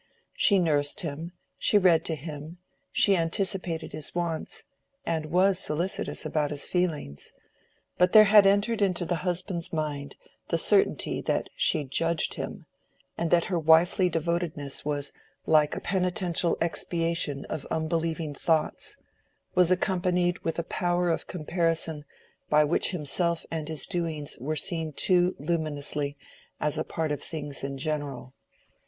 She nursed him, she read to him, she anticipated his wants, and was solicitous about his feelings; but there had entered into the husband's mind the certainty that she judged him, and that her wifely devotedness was like a penitential expiation of unbelieving thoughts—was accompanied with a power of comparison by which himself and his doings were seen too luminously as a part of things in general.